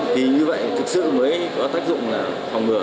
thì như vậy thực sự mới có tác dụng là phòng ngừa